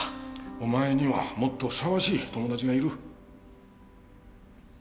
お前にはもっとふさわしい友達がいる。